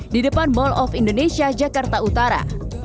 di depan mall of indonesia jakarta utara